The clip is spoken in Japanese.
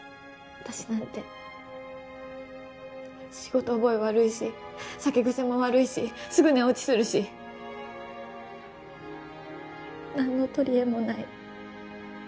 私なんて仕事覚え悪いし酒癖も悪いしすぐ寝落ちするし何のとりえもない